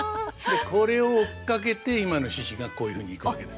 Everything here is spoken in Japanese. これを追っかけて今の獅子がこういうふうに行くわけです。